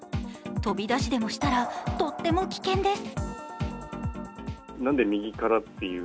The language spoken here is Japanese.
飛び出しでもしたらとっても危険です。